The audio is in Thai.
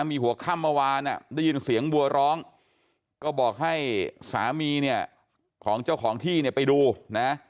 มีหัวค่ำเมื่อวานได้ยินเสียงบัวร้องก็บอกให้สามีเนี่ยของเจ้าของที่เนี่ยไปดูนะ